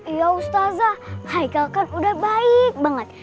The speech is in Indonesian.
iya ustazah haikal kan udah baik banget